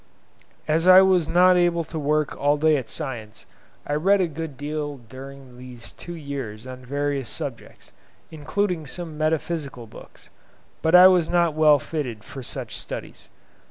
As I was not able to work all day at science, I read a good deal during these two years on various subjects, including some metaphysical books; but I was not well fitted for such studies.